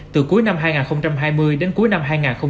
từ cuối năm hai nghìn hai mươi đến cuối năm hai nghìn hai mươi